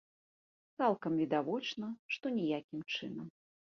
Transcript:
Цалкам відавочна, што ніякім чынам.